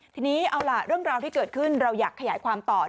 ทีนี้เอาล่ะเรื่องราวที่เกิดขึ้นเราอยากขยายความต่อ